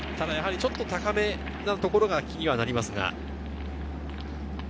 ちょっと高めなところが気にはなります。